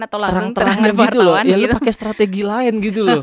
ya lo pakai strategi lain